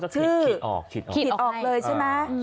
เขาจะขีดออกเลยใช่ไหม